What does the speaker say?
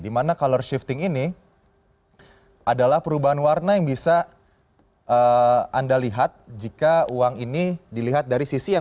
di mana color shifting ini adalah perubahan warna yang bisa anda lihat jika uang ini dilihat dari sistem